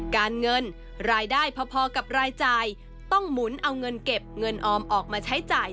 การเงินรายได้พอกับรายจ่ายต้องหมุนเอาเงินเก็บเงินออมออกมาใช้จ่าย